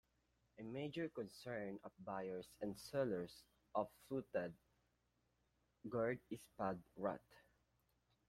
A major concern of buyers and sellers of fluted gourd is pod rot.